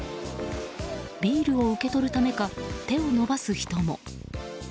ビールを受け取るためか手を伸ばす人も。